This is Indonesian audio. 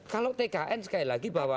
kalau tkn sekali lagi bahwa